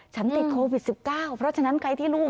ติดโควิด๑๙เพราะฉะนั้นใครที่ลูก